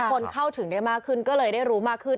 คนเข้าถึงได้มากขึ้นก็เลยได้รู้มากขึ้น